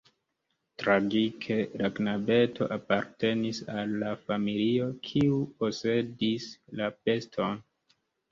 Tragike la knabeto apartenis al la familio, kiu posedis la beston.